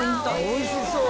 「おいしそう」